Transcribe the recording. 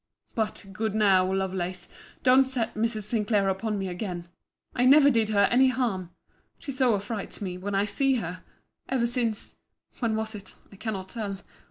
But, good now, Lovelace, don't set Mrs. Sinclair upon me again.—I never did her any harm. She so affrights me, when I see her!—Ever since—when was it? I cannot tell.